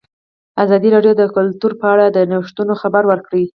ازادي راډیو د کلتور په اړه د نوښتونو خبر ورکړی.